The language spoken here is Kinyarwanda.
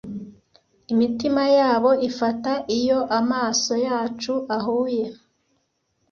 Imitima yabo ifata iyo amaso yacu ahuye